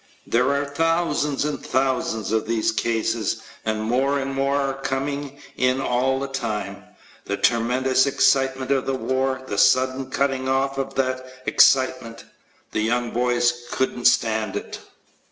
There are thousands and thousands of these cases, and more and more are coming in all the time. The tremendous excitement of the war, the sudden cutting off of that excitement the young boys couldn't stand it.